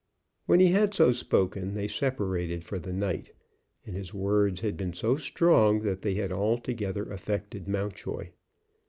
When he had so spoken they separated for the night, and his words had been so strong that they had altogether affected Mountjoy.